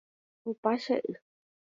Opa che y.